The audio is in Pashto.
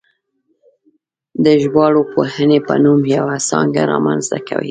د ژبارواپوهنې په نوم یوه څانګه رامنځته کوي